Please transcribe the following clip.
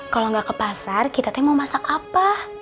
kalau gak ke pasar kita mau masak apa